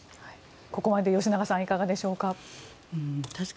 ここまで吉永さんいかがでしょうか。